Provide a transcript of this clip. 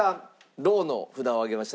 ローの札を上げました。